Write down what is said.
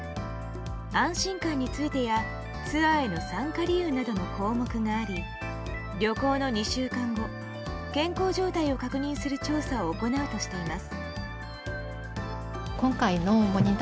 安心感についてやツアーへの参加理由の項目があり旅行の２週間後健康状態を確認する調査を行うとしています。